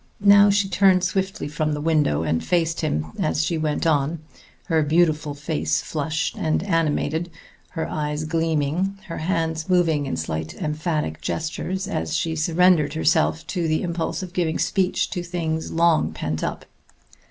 Now she turned swiftly from the window and faced him as she went on, her beautiful face flushed and animated, her eyes gleaming, her hands moving in slight emphatic gestures, as she surrendered herself to the impulse of giving speech to things long pent up.